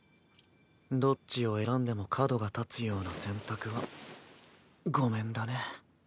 どっちを選んでも角が立つような選択は御免だね。